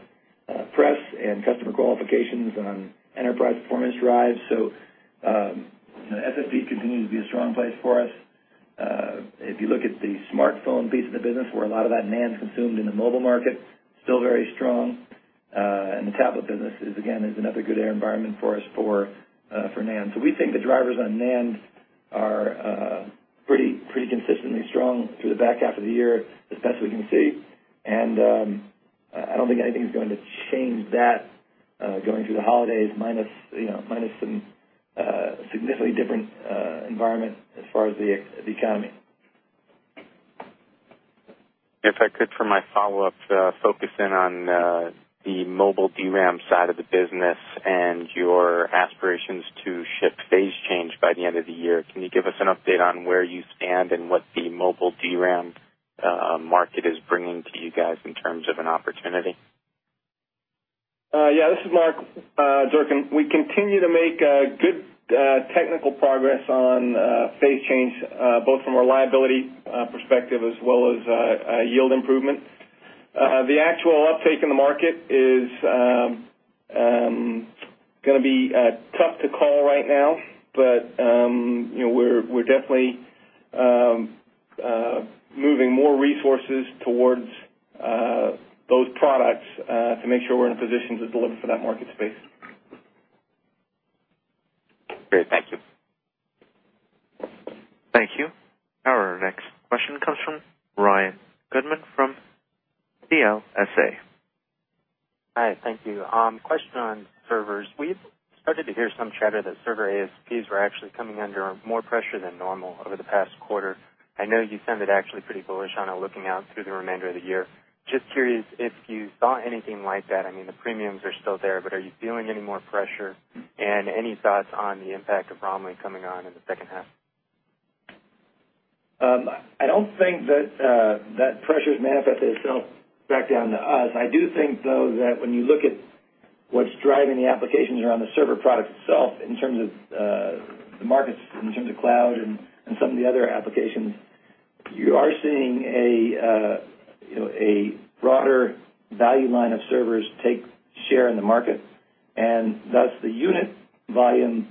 press and customer qualifications on enterprise performance drives. SSDs continue to be a strong place for us. If you look at the smartphone piece of the business where a lot of that NAND is consumed in the mobile market, still very strong. The tablet business, again, is another good environment for us for NAND. We think the drivers on NAND are pretty consistently strong through the back half of the year, as best we can see. I don't think anything is going to change that going through the holidays, minus some significantly different environment as far as the economy. If I could, for my follow-up, focus in on the mobile DRAM side of the business and your aspirations to ship phase change by the end of the year. Can you give us an update on where you stand and what the mobile DRAM market is bringing to you guys in terms of an opportunity? Yeah. This is Mark Durcan. We continue to make good technical progress on phase change, both from a reliability perspective as well as yield improvements. The actual uptake in the market is going to be tough to call right now, but you know we're definitely moving more resources towards those products to make sure we're in positions to deliver for that market space. Great, thank you. Thank you. Our next question comes from Ryan Goodman from CLSA. Hi. Thank you. Question on servers. We've started to hear some chatter that server ASPs were actually coming under more pressure than normal over the past quarter. I know you sounded actually pretty bullish on it looking out through the remainder of the year. Just curious if you saw anything like that. The premiums are still there, but are you feeling any more pressure? Any thoughts on the impact of Bromley coming on in the second half? I don't think that that pressure is going to have its effect back down to us. I do think, though, that when you look at what's driving the applications around the server products itself in terms of the markets, in terms of cloud and some of the other applications, you are seeing a broader value line of servers take share in the market. Thus, the unit volumes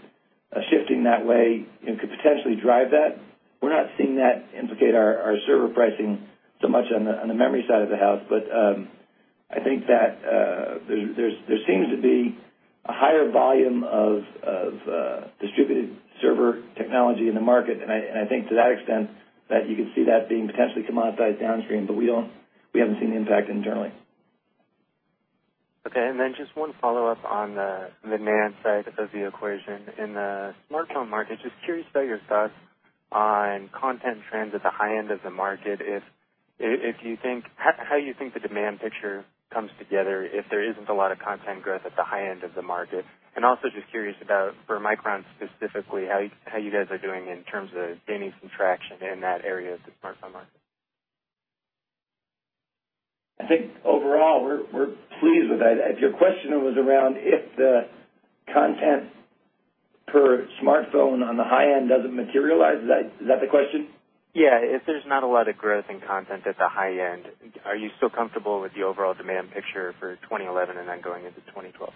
shifting that way could potentially drive that. We're not seeing that implicate our server pricing so much on the memory side of the house, but I think that there seems to be a higher volume of distributed server technology in the market. I think to that extent that you could see that being potentially commoditized downstream, but we haven't seen the impact internally. Okay. Just one follow-up on the demand side of the equation in the smartphone market. Curious about your thoughts on content trends at the high end of the market. If you think how you think the demand picture comes together if there isn't a lot of content growth at the high end of the market. Also, just curious about for Micron Technology specifically how you guys are doing in terms of gaining some traction in that area of the smartphone market. I think overall we're pleased with that. If your question was around if the content for smartphone on the high end doesn't materialize, is that the question? Yeah. If there's not a lot of growth in content at the high end, are you still comfortable with the overall demand picture for 2011 and then going into 2012?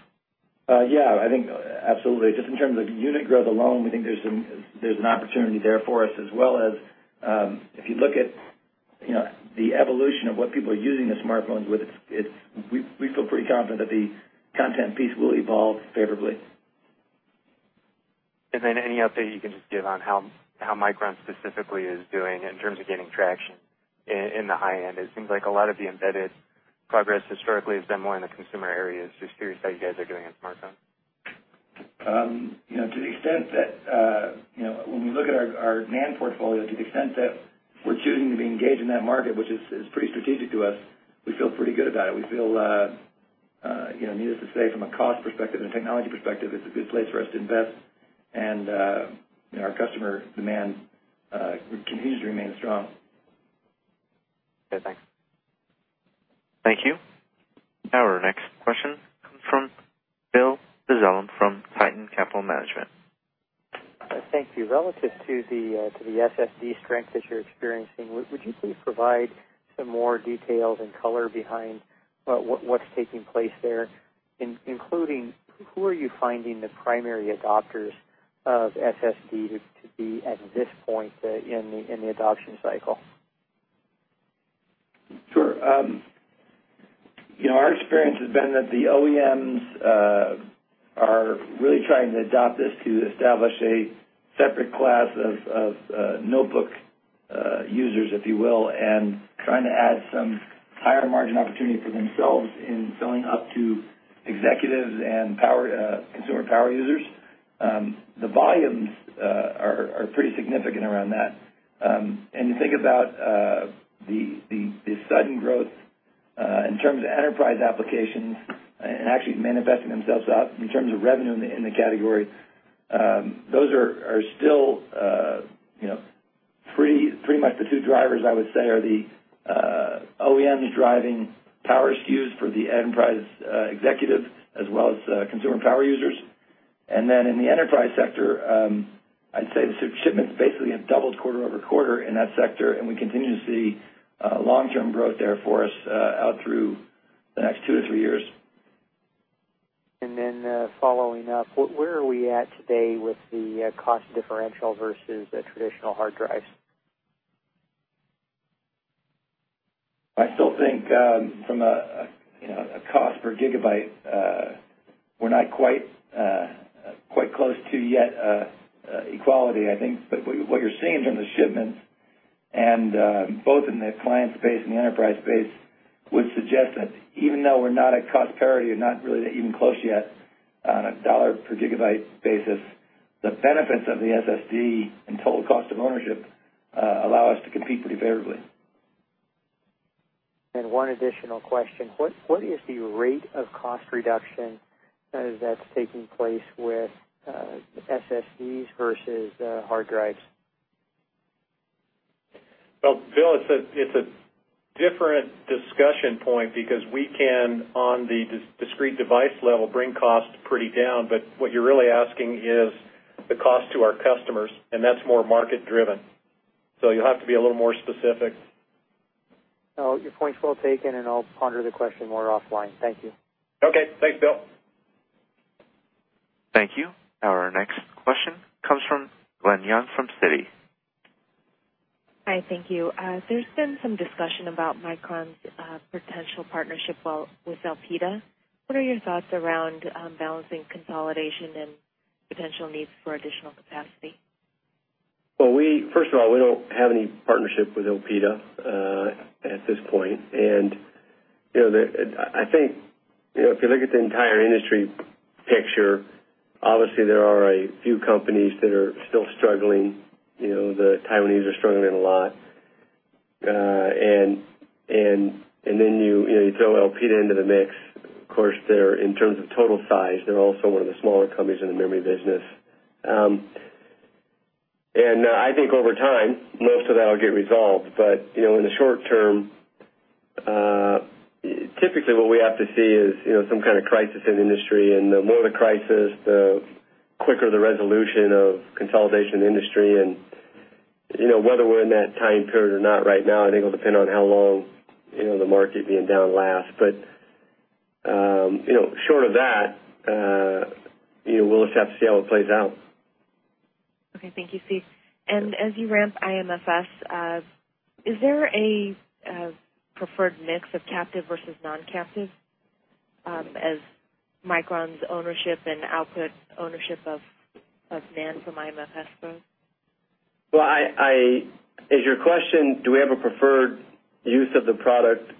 Yeah. I think absolutely. Just in terms of unit growth alone, we think there's an opportunity there for us as well. If you look at the evolution of what people are using the smartphones with, we feel pretty confident that the content piece will evolve favorably. Is there any update you can give on how Micron Technology specifically is doing in terms of gaining traction in the high end? It seems like a lot of the embedded progress historically has been more in the consumer areas. Just curious how you guys are doing in smartphone. To the extent that when we look at our NAND portfolio, to the extent that we're choosing to be engaged in that market, which is pretty strategic to us, we feel pretty good about it. Needless to say, from a cost perspective and a technology perspective, it's a good place for us to invest. Our customer demand continues to remain strong. Okay. Thanks. Thank you. Our next question comes from Bill Dezellem from Tieton Capital Management Thank you. Relative to the SSD strength that you're experiencing, would you please provide some more details and color behind what's taking place there, including who are you finding the primary adopters of SSDs to be at this point in the adoption cycle? Sure. Our experience has been that the OEMs are really trying to adopt this to establish a separate class of notebook users, if you will, and trying to add some higher margin opportunity for themselves in selling up to executives and consumer power users. The volumes are pretty significant around that. If you think about the sudden growth in terms of enterprise applications and actually manifesting themselves out in terms of revenue in the category, those are still pretty much the two drivers. I would say the OEMs are driving power SKUs for the enterprise executive as well as consumer power users. In the enterprise sector, I'd say the shipments basically have doubled quarter over quarter in that sector, and we continue to see long-term growth there for us out through the next two to three years. Where are we at today with the cost differential versus the traditional hard drives? I still think from a cost per gigabyte, we're not quite close to yet equality, I think. What you're seeing from the shipments in both the client space and the enterprise space would suggest that even though we're not at cost parity or not really even close yet on a dollar per gigabyte basis, the benefits of the SSD and total cost of ownership allow us to compete pretty favorably. One additional question. What is the rate of cost reduction that's taking place with SSDs versus the hard drives? It's a different discussion point because we can, on the discrete device level, bring cost pretty down. What you're really asking is the cost to our customers, and that's more market-driven. You'll have to be a little more specific. Oh, your point's well taken, and I'll ponder the question more offline. Thank you. Okay. Thanks, Bill. Thank you. Our next question comes from Glen Yeung from Citi. Hi. Thank you. There's been some discussion about Micron Technology's potential partnership with Elpida. What are your thoughts around balancing consolidation and potential needs for additional capacity? First of all, we don't have any partnership with Elpida at this point. I think if you look at the entire industry picture, obviously, there are a few companies that are still struggling. The Taiwanese are struggling a lot, and then you throw Elpida into the mix. Of course, in terms of total size, they're also one of the smaller companies in the memory business. I think over time, most of that will get resolved. In the short term, typically, what we have to see is some kind of crisis in the industry. The more the crisis, the quicker the resolution of consolidation in the industry. Whether we're in that time period or not right now, I think it'll depend on how long the market being down lasts. Short of that, we'll just have to see how it plays out. Okay. Thank you, Steve. As you ramp IMFS, is there a preferred mix of captive versus non-captive as Micron's ownership and output ownership of NAND from IMFS grows? Is your question, do we have a preferred use of the product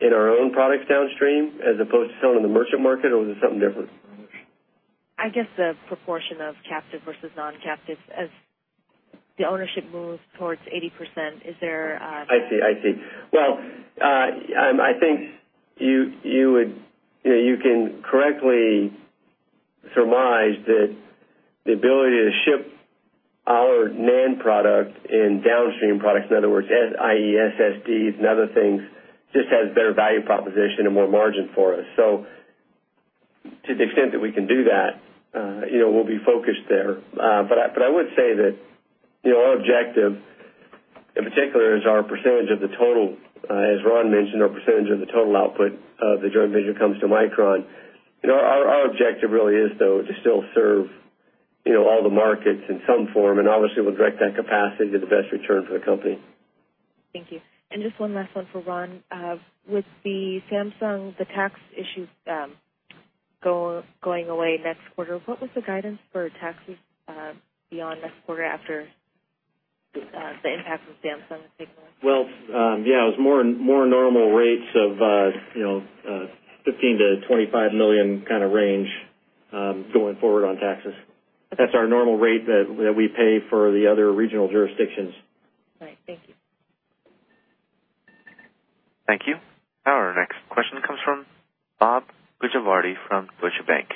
in our own products downstream as opposed to selling to the merchant market, or is it something different? I guess the proportion of captive versus non-captive as the ownership moves towards 80%. Is there? I think you can correctly surmise that the ability to ship our NAND product in downstream products, in other words, i.e. SSDs and other things, just has better value proposition and more margin for us. To the extent that we can do that, you know we'll be focused there. I would say that our objective in particular is our percentage of the total, as Ron mentioned, our percentage of the total output of the joint venture comes to Micron. Our objective really is, though, to still serve all the markets in some form, and obviously, we'll direct that capacity to the best return for the company. Thank you. Just one last one for Ron. With the Samsung, the tax issues going away next quarter, what was the guidance for taxes beyond next quarter after the impact from Samsung? It was more normal rates of, you know, $15 million-$25 million kind of range going forward on taxes. That's our normal rate that we pay for the other regional jurisdictions. All right. Thank you. Thank you. Our next question comes from Bob Gujavarty from Deutsche Bank.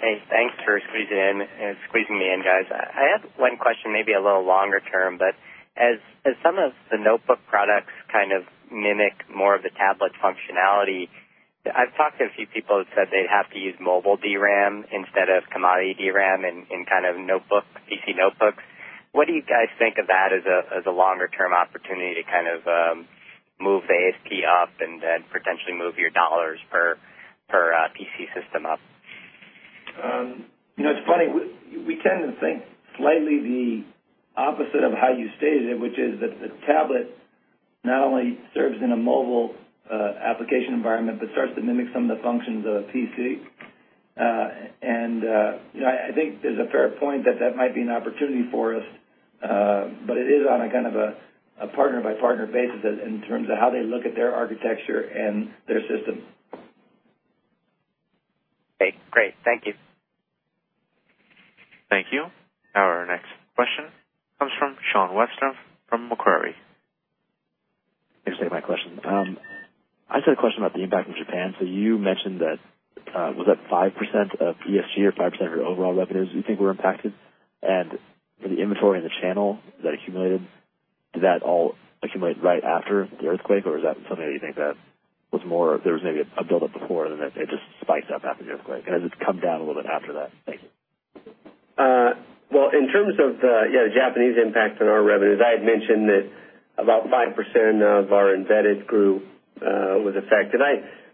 Hey, thanks for squeezing me in, guys. I have one question, maybe a little longer term. As some of the notebook products kind of mimic more of the tablet functionality, I've talked to a few people who said they'd have to use mobile DRAM instead of commodity DRAM in kind of PC notebooks. What do you guys think of that as a longer-term opportunity to kind of move the ASP up and then potentially move your dollars per PC system up? You know, it's funny. We tend to think slightly the opposite of how you stated it, which is that the tablet not only serves in a mobile application environment, but starts to mimic some of the functions of a PC. I think there's a fair point that that might be an opportunity for us, but it is on a kind of a partner-by-partner basis in terms of how they look at their architecture and their system. Okay. Great. Thank you. Thank you. Our next question comes from Shawn Webster from Macquarie. Excuse me, my question. I just had a question about the impact from Japan. You mentioned that was that 5% of ESG or 5% of your overall revenues you think were impacted? For the inventory in the channel, is that accumulated? Did that all accumulate right after the earthquake, or is that something that you think that was more there was maybe a build-up before and then it just spiked up after the earthquake? Has it come down a little bit after that? In terms of the Japanese impact on our revenues, I had mentioned that about 5% of our embedded group was affected,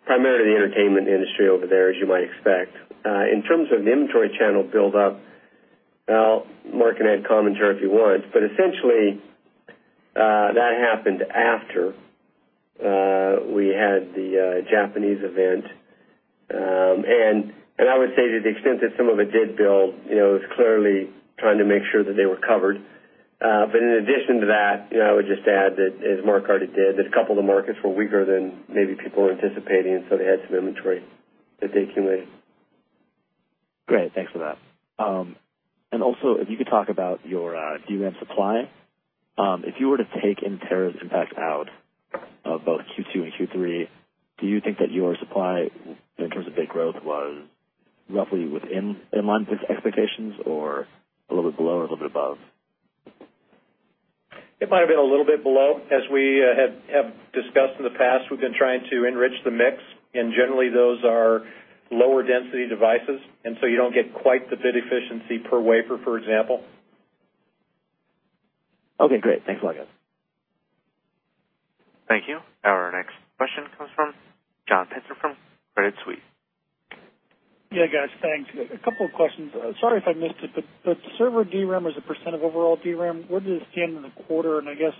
primarily the entertainment industry over there, as you might expect. In terms of the inventory channel build-up, Mark can add commentary if you want. Essentially, that happened after we had the Japanese event. I would say to the extent that some of it did build, it was clearly trying to make sure that they were covered. In addition to that, as Mark already did, there's a couple of the markets were weaker than maybe people were anticipating, and so they had some inventory that they accumulated. Great. Thanks for that. If you could talk about your DRAM supply, if you were to take Inotera's impact out of both Q2 and Q3, do you think that your supply in terms of bit growth was roughly within inline expectations, or a little bit below, or a little bit above? It might have been a little bit below. As we have discussed in the past, we've been trying to enrich the mix, and generally, those are lower density devices, and you don't get quite the bit efficiency per wafer, for example. Okay. Great. Thanks a lot, guys. Thank you. Our next question comes from John Pitzer from Credit Suisse. Yeah, guys. Thanks. A couple of questions. Sorry if I missed it, but server DRAM as a percent of overall DRAM, what is the end of the quarter? I guess,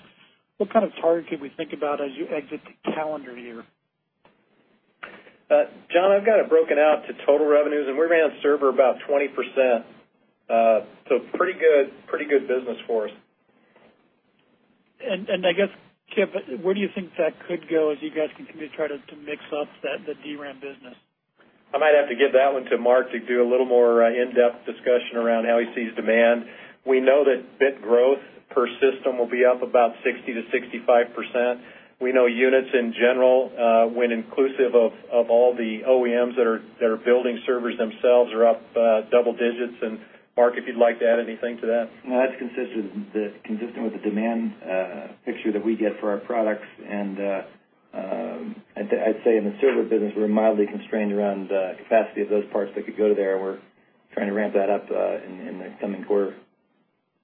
what kind of target can we think about as you exit the calendar year? John, I've got it broken out to total revenues, and we're going to have server about 20%. Pretty good, pretty good business for us. I guess, Kevin, where do you think that could go as you guys continue to try to mix up the DRAM business? I might have to give that one to Mark to do a little more in-depth discussion around how he sees demand. We know that bit growth per system will be up about 60%-65%. We know units in general, when inclusive of all the OEMs that are building servers themselves, are up double digits. Mark, if you'd like to add anything to that. No, that's consistent with the demand picture that we get for our products. I'd say in the server business, we're mildly constrained around the capacity of those parts that could go to there. We're trying to ramp that up in the coming quarter.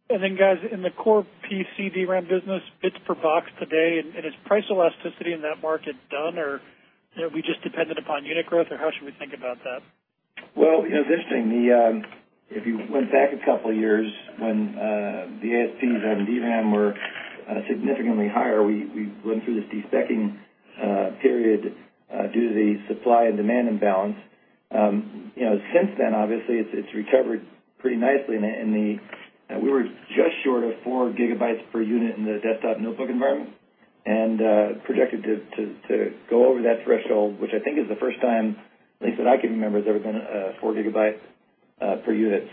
In the core PC DRAM business, bits per box today, and is price elasticity in that market done, or are we just dependent upon unit growth, or how should we think about that? It's interesting. If you went back a couple of years when the ASCs on DRAM were significantly higher, we went through this despecking period due to the supply and demand imbalance. Since then, obviously, it's recovered pretty nicely. We were just short of 4 gigabytes per unit in the desktop notebook environment and projected to go over that threshold, which I think is the first time at least that I can remember has ever been 4 gigabytes per unit.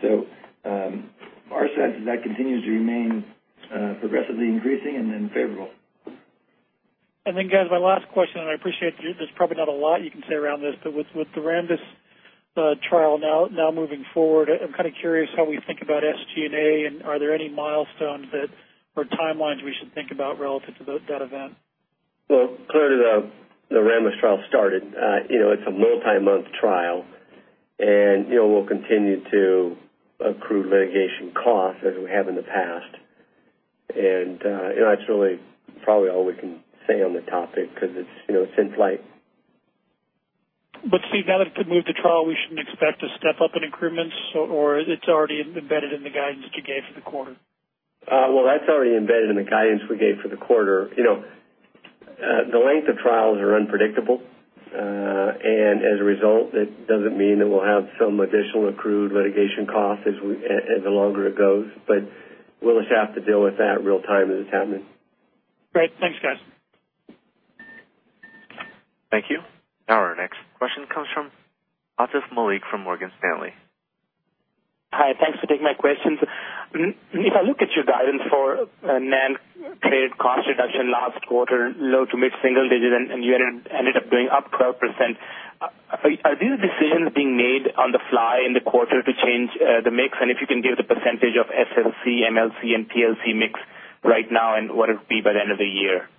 Our sense is that continues to remain progressively increasing and then favorable. My last question, and I appreciate there's probably not a lot you can say around this, but with the Ramdis trial now moving forward, I'm kind of curious how we think about SG&A, and are there any milestones or timelines we should think about relative to that event? Clearly, the Ramdis trial started. It's a multi-month trial, and you know we'll continue to accrue litigation costs as we have in the past. That's really probably all we can say on the topic because it's in flight. Steve, now that we've moved the trial, we shouldn't expect a step up in increments, or it's already embedded in the guidance that you gave for the quarter? That's already embedded in the guidance we gave for the quarter. You know, the length of trials are unpredictable, and as a result, it doesn't mean that we'll have some additional accrued litigation costs as the longer it goes. We'll just have to deal with that real-time as it's happening. Great. Thanks, guys. Thank you. Our next question comes from Atif Malik from Morgan Stanley. Hi. Thanks for taking my questions. If I look at your guidance for NAND-traded cost reduction last quarter, low to mid-single digit, and you ended up going up 12%, are these decisions being made on the fly in the quarter to change the mix? If you can give the percentage of SLC, MLC, and TLC mix right now, and what it would be by the end of the year?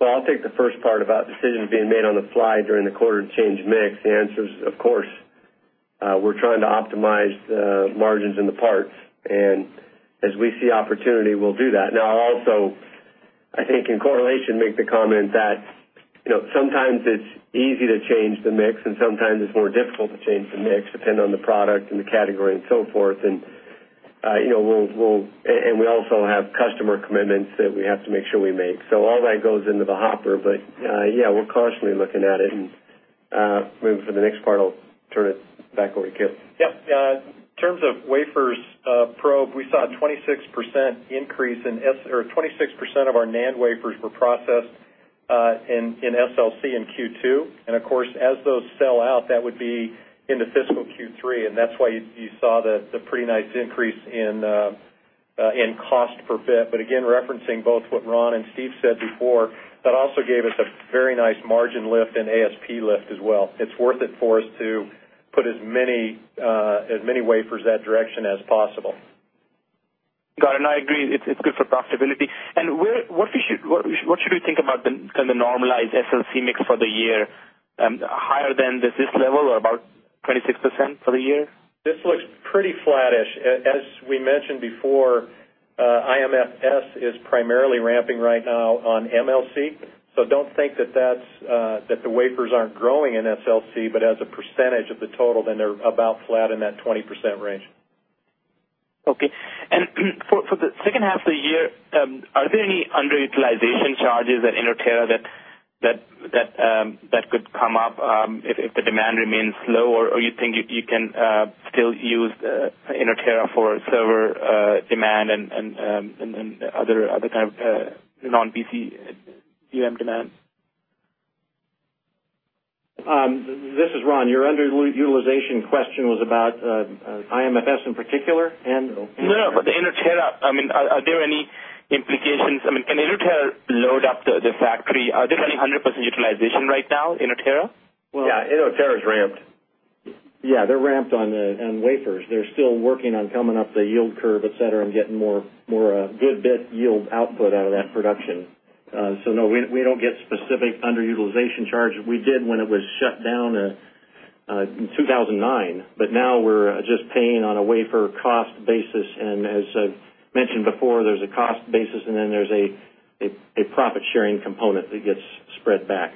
I'll take the first part about decisions being made on the fly during the quarter to change the mix. The answer is, of course, we're trying to optimize the margins in the parts, and as we see opportunity, we'll do that. I think in correlation, make the comment that you know sometimes it's easy to change the mix, and sometimes it's more difficult to change the mix depending on the product and the category and so forth. We also have customer commitments that we have to make sure we make. All that goes into the hopper. Yeah, we're constantly looking at it. Maybe for the next part, I'll turn it back over to Kevin. Yeah. In terms of wafers probed, we saw a 26% increase, or 26% of our NAND wafers were processed in SLC in Q2. Of course, as those sell out, that would be into fiscal Q3. That is why you saw the pretty nice increase in cost per bit. Again, referencing both what Ron and Steve said before, that also gave us a very nice margin lift and ASP lift as well. It's worth it for us to put as many wafers in that direction as possible. Got it. I agree. It's good for profitability. What should we think about the kind of normalized SLC mix for the year? Higher than this level or about 26% for the year? This looks pretty flat-ish. As we mentioned before, IMFS is primarily ramping right now on MLC. Don't think that the wafers aren't growing in SLC, but as a percentage of the total, they're about flat in that 20% range. For the second half of the year, are there any underutilization charges at Inotera that could come up if the demand remains low, or do you think you can still use Inotera for server demand and other kind of non-PC demands? This is Ron. Your underutilization question was about IMFS in particular and? No, no. Are there any implications? I mean, can Inotera load up the factory? Are there any 100% utilization right now, Inotera? Yeah. Inotera's ramped. Yeah. They're ramped on wafers. They're still working on coming up the yield curve, etc., and getting more good bit yield output out of that production. No, we don't get specific underutilization charges. We did when it was shut down in 2009, but now we're just paying on a wafer cost basis. As I've mentioned before, there's a cost basis, and then there's a profit-sharing component that gets spread back.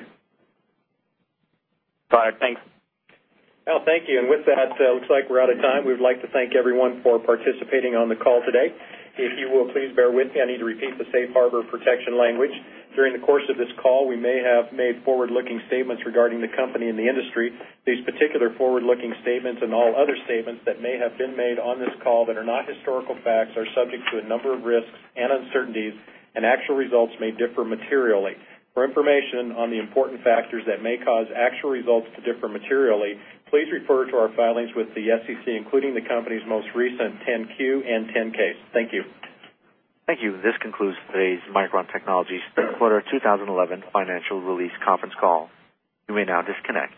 Got it. Thanks. Thank you. With that, it looks like we're out of time. We would like to thank everyone for participating on the call today. If you will please bear with me, I need to repeat the safe harbor protection language. During the course of this call, we may have made forward-looking statements regarding the company and the industry. These particular forward-looking statements and all other statements that may have been made on this call that are not historical facts are subject to a number of risks and uncertainties, and actual results may differ materially. For information on the important factors that may cause actual results to differ materially, please refer to our filings with the SEC, including the company's most recent 10-Q and 10-Ks. Thank you. Thank you. This concludes today's Micron Technology Quarter 2011 financial release conference call. You may now disconnect.